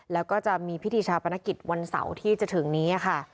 แล้วก็จะมีพิธีชาปนกิจวันเสาร์ที่จะถึงนี้ค่ะ